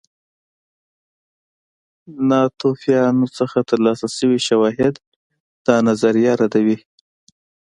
له ناتوفیان څخه ترلاسه شوي شواهد دا نظریه ردوي